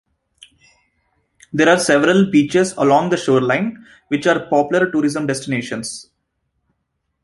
There are several beaches along the shoreline, which are popular tourism destinations.